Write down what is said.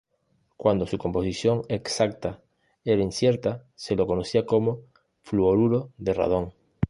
Cuando su composición exacta era incierta se lo conocía como fluoruro de radón.